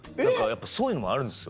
そういうのもあるんですよ。